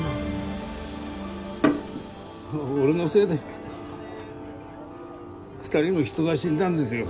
俺のせいで２人の人が死んだんですよ。